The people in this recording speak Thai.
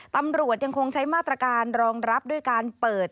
ตำรวจยังคงใช้มาตรการรองรับด้วยการเปิด